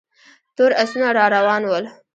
تور آسونه را روان ول.